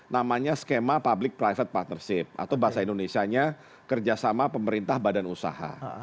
namanya skema public private partnership atau bahasa indonesia nya kerjasama pemerintah badan usaha